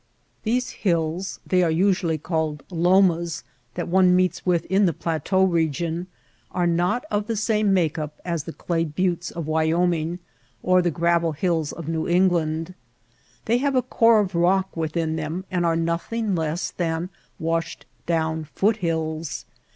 These hills — they are usually called lomas — MESAS AND FOOT HILLS 203 that one meets with in the plateau region are not of the same make up as the clay buttes of Wyoming or the gravel hills of New England. They have a core of rock within them and are nothing less than washed down foot hills.